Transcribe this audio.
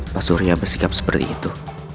pak surya bersikap seperti itu